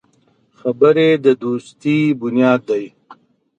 خبرې د دوستي بنیاد دی